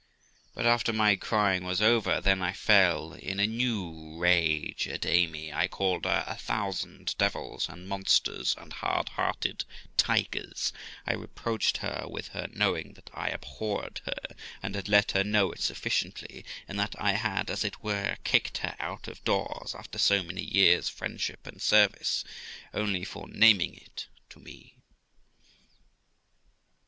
But, after my crying was over, then I fell in a new rage at Amy; I called her a thousand devils and monsters and hard hearted tigers; I reproached her with her knowing that I abhorred it, and had let her know it sufficiently, in that I had, as it were, kicked her out of doors, after so many years' friendship and service, only for naming it to me.